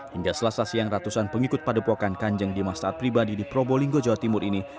hingga selasa siang ratusan pengikut padepokan kanjeng dimas taat pribadi di probolinggo jawa timur ini